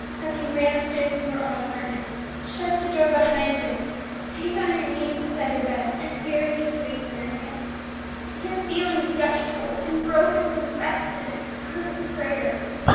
Emmie ran upstairs to her own apartment, shut the door behind her, sank on her knees beside her bed, and buried her face in her hands. Then her feelings gushed forth in broken confession and fervent prayer.